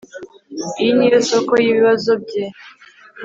Iyo niyo soko yibibazo bye